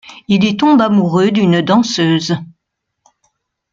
Il y tombe amoureux d'une danseuse.